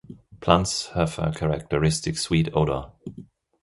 Plants have a characteristic sweet odor.